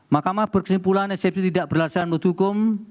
makamah berkesimpulan eksepsi tidak berlaksana melalui hukum